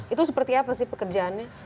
itu seperti apa sih pekerjaannya